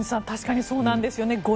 確かにそうなんですよね。